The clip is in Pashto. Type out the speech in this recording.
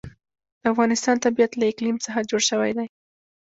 د افغانستان طبیعت له اقلیم څخه جوړ شوی دی.